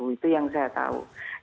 itu yang saya tahu